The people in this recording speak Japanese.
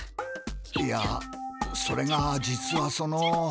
いやそれが実はその。